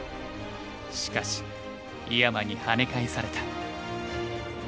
しかし井山にはね返された。